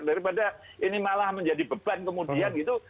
daripada ini malah menjadi beban kemudian gitu